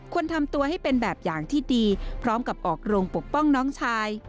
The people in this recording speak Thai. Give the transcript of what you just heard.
ควรทำตัวให้เป็นแบบอย่างที่ดีพร้อมกับออกโรงปกป้องน้องชาย